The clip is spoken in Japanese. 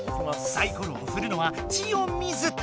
サイコロをふるのはジオ水田。